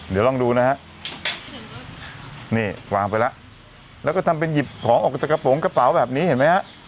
เดี๋ยวลองดูนะฮะนี่วางไปแล้วแล้วก็ทำเป็นหยิบของออกจากกระโปรงกระเป๋าแบบนี้เห็นไหมฮะ